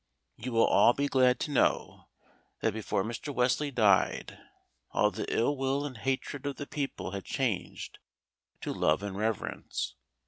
You will all be glad to know that before Mr. Wesley died, all the ill will and hatred of the people had changed to love and reverence.